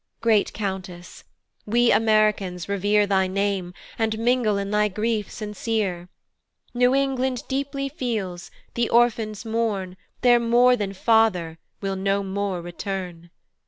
Great Countess,* we Americans revere Thy name, and mingle in thy grief sincere; New England deeply feels, the Orphans mourn, Their more than father will no more return.